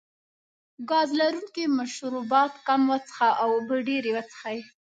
ګاز لرونکي مشروبات کم وڅښه او اوبه ډېرې وڅښئ.